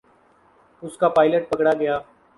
اس کا پائلٹ پکڑا گیا۔